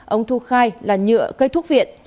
ông thu khai là nhựa cây thuốc viện